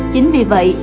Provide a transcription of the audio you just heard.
chính vì vậy